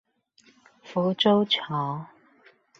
浮洲橋